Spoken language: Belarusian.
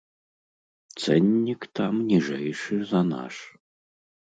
Цэннік там ніжэйшы за наш.